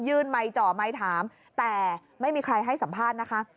ไมค์จ่อไมค์ถามแต่ไม่มีใครให้สัมภาษณ์นะคะ